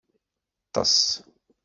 Ṭṭes.